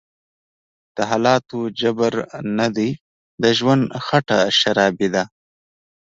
دحالاتو_جبر_نه_دی_د_ژوند_خټه_شرابي_ده